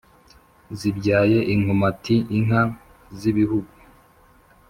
zibyaye inkomati inka z'ibihugu.